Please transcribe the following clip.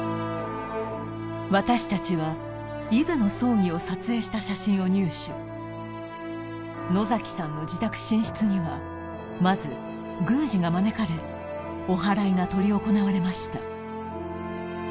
私達はイブの葬儀を撮影した写真を入手野さんの自宅寝室にはまず宮司が招かれおはらいが執り行われました